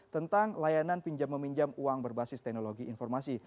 tentang layanan pinjam meminjam uang berbasis teknologi informasi